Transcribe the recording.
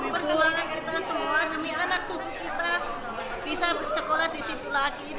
perjuangan kita semua demi anak cucu kita bisa bersekolah di situ lagi